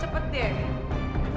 cepet ya ren